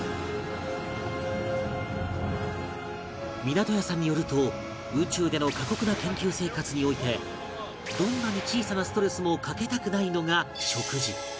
港屋さんによると宇宙での過酷な研究生活においてどんなに小さなストレスもかけたくないのが食事